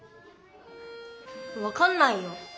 わかんないよ。